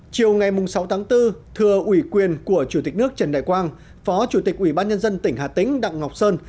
chiều ngày sáu tháng bốn thừa ủy quyền của chủ tịch nước trần đại quang phó chủ tịch ủy ban nhân dân tỉnh hà tĩnh đặng ngọc sơn